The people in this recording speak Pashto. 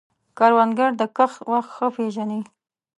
کروندګر د کښت وخت ښه پېژني